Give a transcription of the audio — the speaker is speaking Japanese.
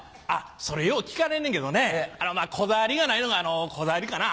それよう聞かれんねんけどねこだわりがないのがこだわりかな。